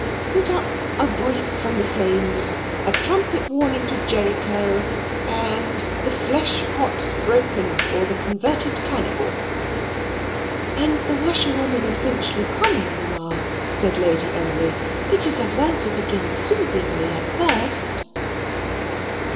Put up 'A Voice from the Flames,' 'A Trumpet warning to Jericho,' and the 'Fleshpots Broken; or, the Converted Cannibal.'" "And the 'Washerwoman of Finchley Common,' Mamma," said Lady Emily. "It is as well to begin soothingly at first."